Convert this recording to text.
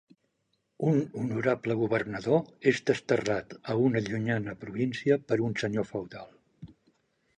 Un honorable governador és desterrat a una llunyana província per un senyor feudal.